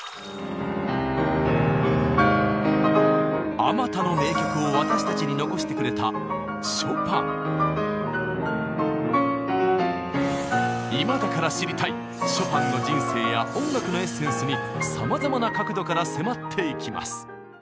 あまたの名曲を私たちに残してくれた今だから知りたいショパンの人生や音楽のエッセンスにさまざまな角度から迫っていきます。